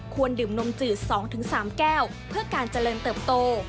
ดื่มนมจืด๒๓แก้วเพื่อการเจริญเติบโต